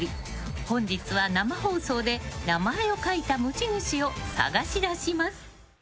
本日は生放送で名前を書いた持ち主を探し出します。